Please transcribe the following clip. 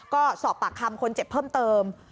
ก็สอบปากคำคนเจ็บเพิ่มเติม